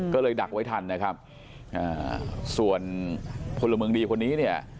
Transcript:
ก็เลยดักไว้ทันนะครับส่วนพลเมืองดีคนนี้เนี่ย